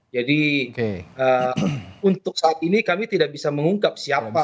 jadi untuk saat ini kami tidak bisa mengungkap siapa